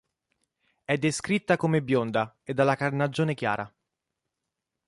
È descritta come bionda e dalla carnagione chiara.